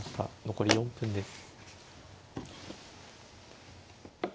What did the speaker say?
残り４分です。